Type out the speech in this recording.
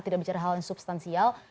tidak bicara hal yang substansial